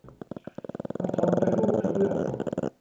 เอาทองไปรู่กระเบื้อง